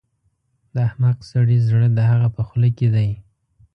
د احمق سړي زړه د هغه په خوله کې دی.